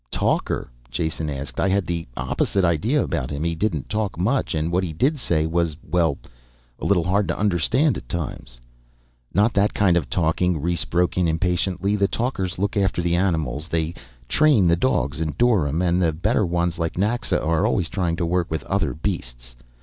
"Talker?" Jason asked. "I had the opposite idea about him. He didn't talk much, and what he did say was, well ... a little hard to understand at times." "Not that kind of talking." Rhes broke in impatiently. "The talkers look after the animals. They train the dogs and doryms, and the better ones like Naxa are always trying to work with other beasts.